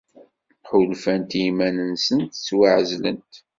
Ḥulfant i yiman-nsent ttwaɛezlent.